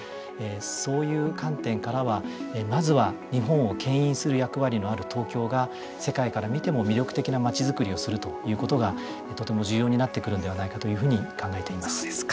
そういう観点からはまずは、日本をけん引する役割のある東京が世界から見ても魅力的な街づくりをするということがとても重要になってくるのではないかというふうに考えています。